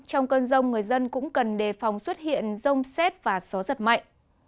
trong cơn rông người dân cũng cần đề phòng xuất hiện rông xét và gió giật mạnh